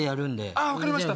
あぁ分かりました。